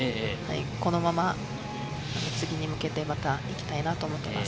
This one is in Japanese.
このまま次に向けて行きたいなと思います。